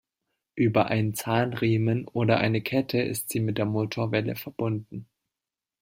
Über einen Zahnriemen oder eine Kette ist sie mit der Motorwelle verbunden.